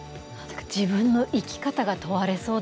自分の生き方が問われそうですね。